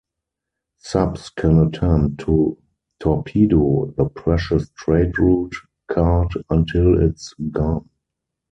Subs can attempt to torpedo the precious trade route card until it's gone.